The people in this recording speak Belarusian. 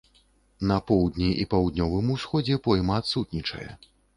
На поўдні і паўднёвым усходзе пойма адсутнічае.